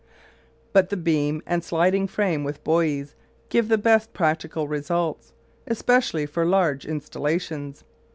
But the beam and sliding frame, with buoys, give the best practical results, especially for large installations.